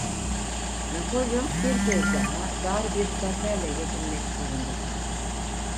Napolyon bir kez daha dar bir zaferle yetinmek zorunda kaldı.